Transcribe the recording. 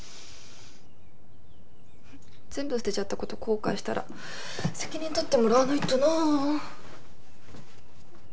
全部捨てちゃった事後悔したら責任取ってもらわないとなあ。